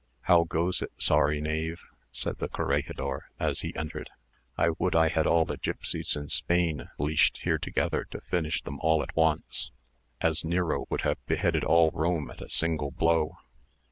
"How goes it, sorry knave?" said the corregidor, as he entered. "I would I had all the gipsies in Spain leashed here together to finish them all at once, as Nero would have beheaded all Rome at a single blow.